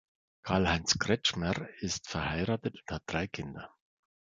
Karl-Heinz Kretschmer ist verheiratet und hat drei Kinder.